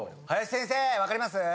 林先生分かります？